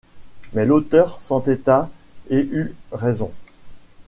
Mais l'auteur s'entêta et eut raison.